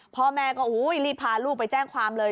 พ่อแม่ก็รีบพาลูกไปแจ้งความเลย